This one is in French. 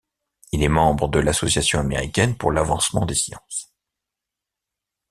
Il est membre de l'Association américaine pour l'avancement des sciences.